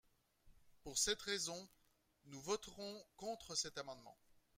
Pour cette raison, nous voterons contre cet amendement.